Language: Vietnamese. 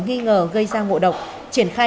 nghi ngờ gây ra ngộ độc triển khai